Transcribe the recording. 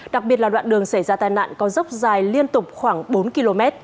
đặc biệt là đoạn đường xảy ra tai nạn có dốc dài liên tục khoảng bốn km